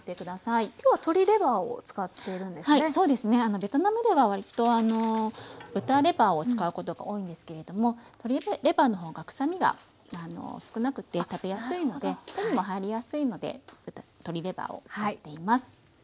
ベトナムではわりと豚レバーを使うことが多いんですけれども鶏レバーの方がくさみが少なくて食べやすいので手にも入りやすいので鶏レバーを使っています。